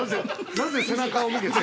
なぜ背中を向けて？